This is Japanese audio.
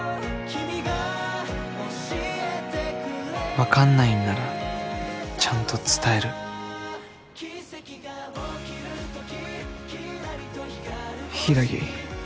分かんないんならちゃんと伝える柊